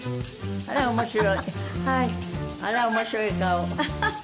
あら面白い。